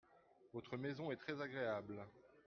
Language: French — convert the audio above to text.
Votre maison est très agréable.